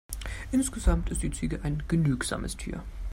Insgesamt ist die Ziege ein genügsames Tier.